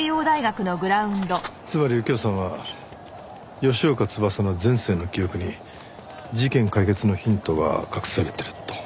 つまり右京さんは吉岡翼の前世の記憶に事件解決のヒントが隠されてると。